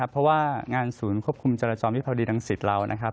เพราะว่างานศูนย์ควบคุมจรจรมิพรดีดังสิทธิ์เรา